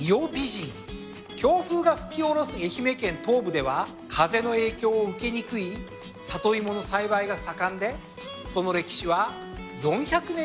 強風が吹き下ろす愛媛県東部では風の影響を受けにくいサトイモの栽培が盛んでその歴史は４００年に及びます。